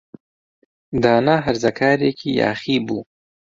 دانا هەرزەکارێکی یاخی بوو.